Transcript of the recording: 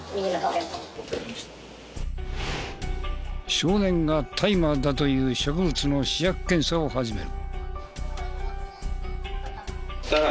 少年が大麻だと言う植物の試薬検査を始める。